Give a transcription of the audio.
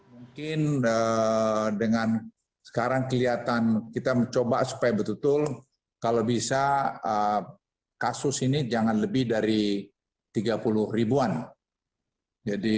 mungkin dengan sekarang kelihatan kita mencoba supaya betul betul kalau bisa kasus ini jangan lebih dari tiga puluh ribuan